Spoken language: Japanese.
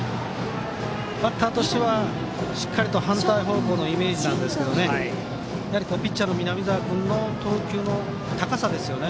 バッターとしてはしっかり反対方向のイメージなんですけどピッチャーの南澤君の投球の高さですね。